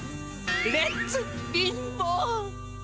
レッツビンボー！